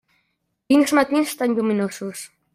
Quins matins tan lluminosos.